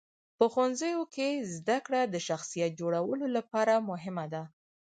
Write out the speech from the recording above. په ښوونځیو کې زدهکړه د شخصیت جوړولو لپاره مهمه ده.